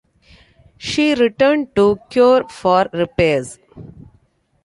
She returned to Kure for repairs.